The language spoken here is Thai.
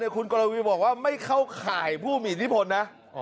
คุณกรวีบอกว่าไม่เข้าข่ายผู้มีอิทธิพลนะ